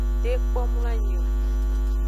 De kpo mloanyi o.